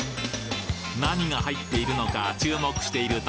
何が入っているのか注目していると